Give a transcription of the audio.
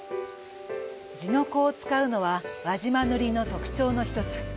地の粉を使うのは輪島塗の特徴の一つ。